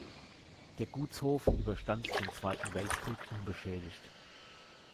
Der Gutshof überstand den Zweiten Weltkrieg unbeschädigt.